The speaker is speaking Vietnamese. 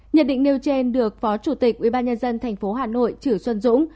nhận định nêu trên được phó chủ tịch ubnd tp hà nội chử xuân dũng